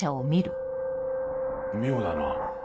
妙だな。